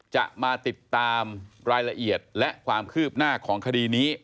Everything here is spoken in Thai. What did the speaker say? จะมาติดตามรายละเอียดและความคืบหน้าของคดีนี้